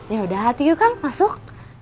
yaudah hati yuk kan masuk